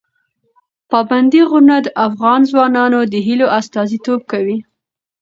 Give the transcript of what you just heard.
پابندی غرونه د افغان ځوانانو د هیلو استازیتوب کوي.